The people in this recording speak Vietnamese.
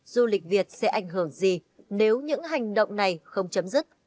du lịch việt sẽ ảnh hưởng gì nếu những hành động này không chấm dứt